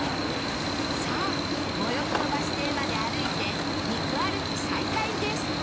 さあ最寄りのバス停まで歩いて肉歩き再開です